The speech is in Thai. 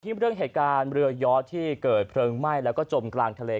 เรื่องเหตุการณ์เรือยอดที่เกิดเพลิงไหม้แล้วก็จมกลางทะเล